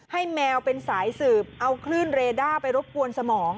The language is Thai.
แมวเป็นสายสืบเอาคลื่นเรด้าไปรบกวนสมอง